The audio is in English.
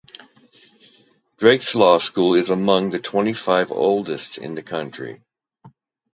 Drake's law school is among the twenty-five oldest in the country.